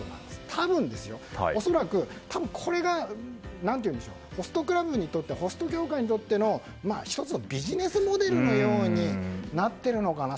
多分ですよ、恐らくこれがホストクラブにとってホスト業界にとっての１つのビジネスモデルのようになってるのかなと。